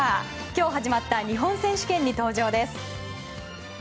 今日始まった日本選手権に登場です。